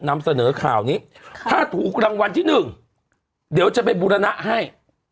นำเสนอข่าวนี้ถ้าถูกรางวัลที่หนึ่งเดี๋ยวจะไปบูรณะให้